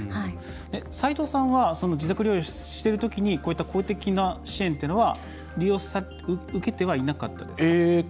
斉藤さんは自宅療養してるときに公的な支援というものは受けてはいなかったですか？